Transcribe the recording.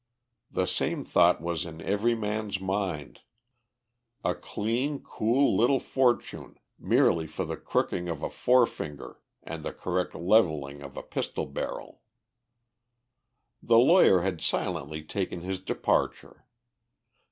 The same thought was in every man's mind; a clean, cool little fortune merely for the crooking of a forefinger and the correct levelling of a pistol barrel. The lawyer had silently taken his departure.